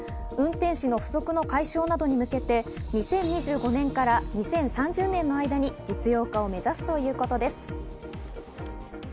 運転士の不足の解消などに向けて２０２５年から２０３０年の間に実用化を目指すということです。